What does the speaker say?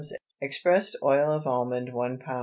Expressed oil of almond 1 lb.